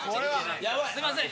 ・すいません。